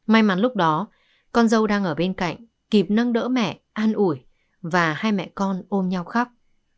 may mắn lúc đó con dâu đang ở bên cạnh kịp nâng đỡ mẹ an ủi và hai mẹ con ôm nhau khóc